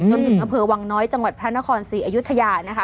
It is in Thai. จนถึงอำเภอวังน้อยจังหวัดพระนครศรีอยุธยานะคะ